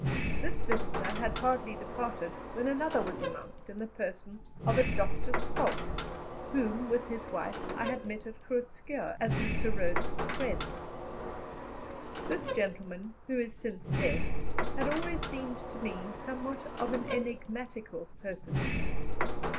This visitor had hardly departed when another was announced in the person of a Dr. Scholtz, whom, with his wife, I had met at Groot Schuurr as Mr. Rhodes's friends. This gentleman, who is since dead, had always seemed to me somewhat of an enigmatical personage.